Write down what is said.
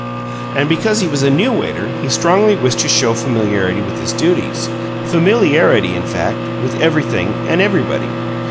And because he was a new waiter he strongly wished to show familiarity with his duties familiarity, in fact, with everything and everybody.